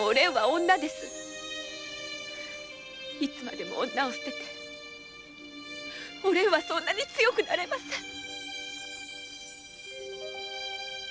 いつまでも女を捨てておれんはそんなに強くなれません。